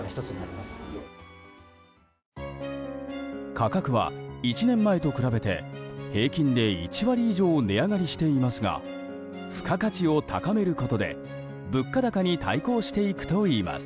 価格は１年前と比べて、平均で１割以上値上がりしていますが付加価値を高めることで物価高に対抗していくといいます。